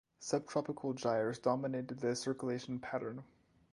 Subtropical gyres dominated the circulation pattern.